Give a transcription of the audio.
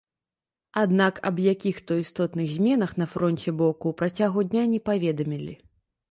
Аднак, аб якіх-то істотных зменах на фронце боку ў працягу дня не паведамілі.